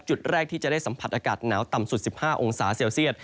จุดแรกที่จะได้สัมผัสอากาศหนาวต่ำสุด๑๕องศาเซลเซียต